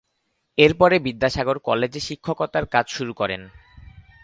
এরপরে বিদ্যাসাগর কলেজে শিক্ষকতার কাজ শুরু করেন।